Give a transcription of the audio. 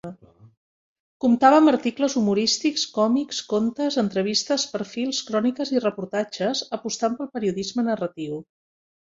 Comptava amb articles humorístics, còmics, contes, entrevistes, perfils, cròniques i reportatges, apostant pel periodisme narratiu.